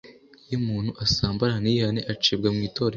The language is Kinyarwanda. iyo umuntu asambana ntiyihane acibwa mu itorero.